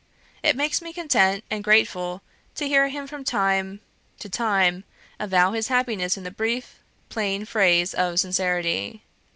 It makes me content and grateful to hear him from time to time avow his happiness in the brief, plain phrase of sincerity.